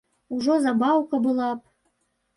Ужо забаўка была б!